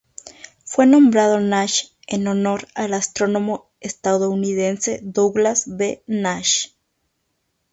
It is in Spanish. Fue nombrado Nash en honor al astrónomo estadounidense Douglas B. Nash.